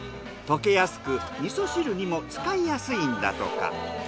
溶けやすく味噌汁にも使いやすいんだとか。